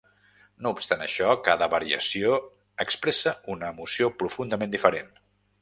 No obstant això, cada variació expressa una emoció profundament diferent.